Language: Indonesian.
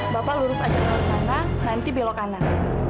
bapak lurus aja keluar sana nanti belok kanan